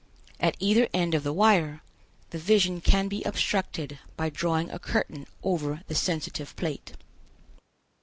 At either end of the wire, the vision can be obstructed by drawing a curtain over the sensitive plate.